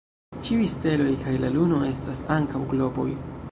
Ĉiuj steloj kaj la luno estas ankaŭ globoj.